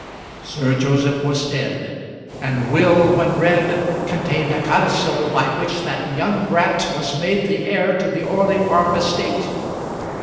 Sir Joseph was dead, and the will when read contained a codicil by which that young brat was made the heir to the Orley Farm estate.